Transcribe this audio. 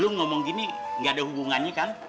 dulu ngomong gini gak ada hubungannya kan